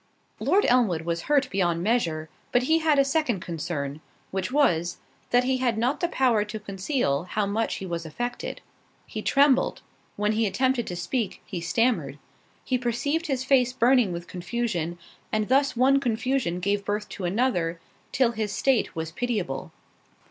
Lord Elmwood was hurt beyond measure; but he had a second concern, which was, that he had not the power to conceal how much he was affected. He trembled—when he attempted to speak, he stammered—he perceived his face burning with confusion, and thus one confusion gave birth to another, till his state was pitiable.